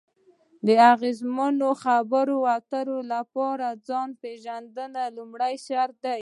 د اغیزمنو خبرو اترو لپاره ځان پېژندنه لومړی شرط دی.